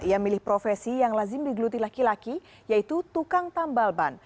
ia milih profesi yang lazim digeluti laki laki yaitu tukang tambal ban